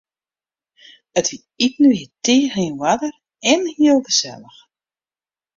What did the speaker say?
It iten wie tige yn oarder en hiel gesellich.